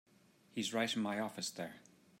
He's right in my office there.